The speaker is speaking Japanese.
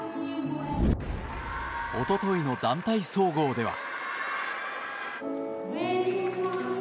おとといの団体総合では。